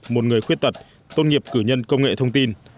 một người khuyết tật tôn nghiệp cử nhân công nghệ thông tin